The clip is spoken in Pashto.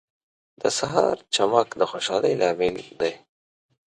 • د سهار چمک د خوشحالۍ لامل دی.